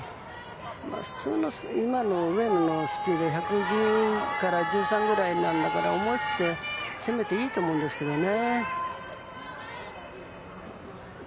普通、今の上野のスピードが１１０から１１３ぐらいなんだから思い切って攻めていいと思うんですけどね。